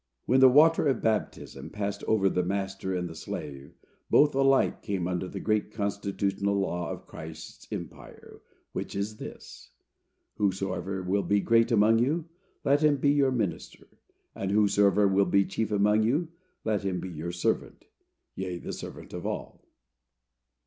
When the water of baptism passed over the master and the slave, both alike came under the great constitutional law of Christ's empire, which is this: "Whosoever will be great among you, let him be your minister; and whosoever will be chief among you, let him be your servant, yea, the servant of all."